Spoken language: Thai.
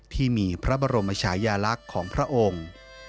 ที่มีพระบรมชายาลักษณ์ของพระองค์